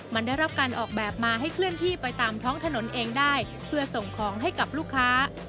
มันได้รับการออกแบบมาให้เคลื่อนที่ไปตามท้องถนนเองได้เพื่อส่งของให้กับลูกค้า